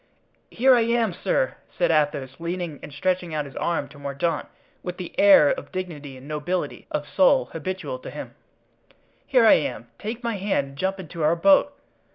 "Here I am, sir!" said Athos, leaning and stretching out his arm to Mordaunt with that air of dignity and nobility of soul habitual to him; "here I am, take my hand and jump into our boat."